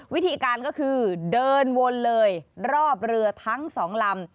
วิธีการก็คือเดินวนเลยรอบเรือทั้งสองลำ